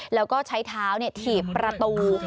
แล้วก็ใช้เท้าถีบประตู